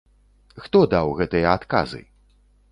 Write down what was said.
Хто даў гэтыя адказы?